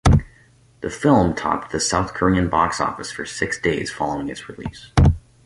The film topped the South Korean box office for six days following its release.